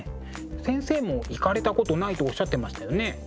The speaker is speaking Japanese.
先生も行かれたことないとおっしゃってましたよね。